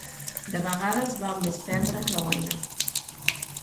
De vegades val més perdre que guanyar.